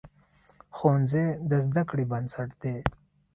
ښوونځی د زده کړې بنسټ دی.